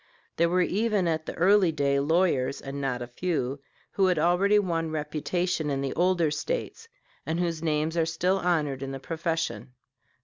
There were even at that early day lawyers, and not a few, who had already won reputation in the older States, and whose names are still honored in the profession.